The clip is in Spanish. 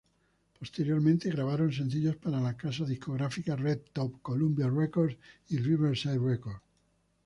Posteriormente grabaron sencillos para las casas discográficas Red Top, Columbia Records y Riverside Records.